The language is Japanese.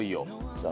さあ